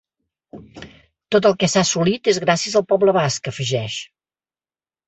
Tot el que s’ha assolit és gràcies al poble basc, afegeix.